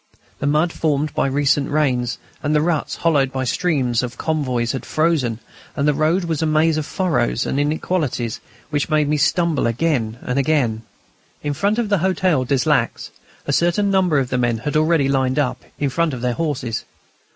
The mud formed by recent rains and the ruts hollowed by streams of convoys had frozen, and the road was a maze of furrows and inequalities which made me stumble again and again. In front of the Hôtel des Lacs a certain number of the men had already lined up, in front of their horses.